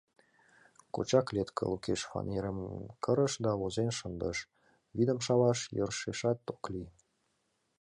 Коча клетке лукеш фанерым кырыш да возен шындыш: «Вӱдым шаваш йӧршешат ок лий».